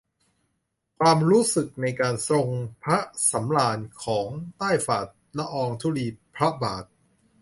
ความรู้สึกในการทรงพระสำราญของใต้ฝ่าละอองธุลีพระบาท